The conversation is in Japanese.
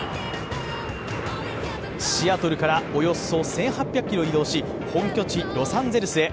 シアトルからおよそ１８００ｋｍ移動し本拠地・ロサンゼルスへ。